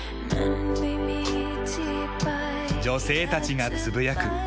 女性たちがつぶやく。